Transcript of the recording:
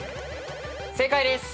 正解です。